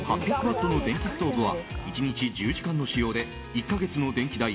８００ワットの電気ストーブは１日１０時間の使用で１か月の電気代